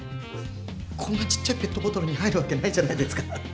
こんなちっちゃいペットボトルに入るわけないじゃないですか。